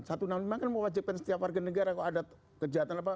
satu nama memang kan mewajibkan setiap warga negara kalau ada kejahatan apa